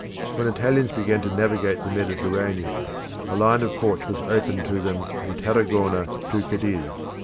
When Italians began to navigate the Mediterranean, a line of ports was opened to them from Tarragona to Cadiz.